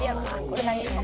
「これ何？